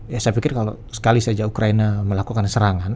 ya saya pikir kalau sekali saja ukraina melakukan serangan